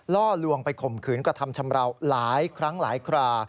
ล่อลวงไปข่มขืนกระทำชำราวหลายครั้งหลายครา